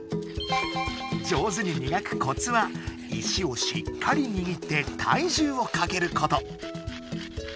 上手に磨くコツは石をしっかりにぎって体重をかけること。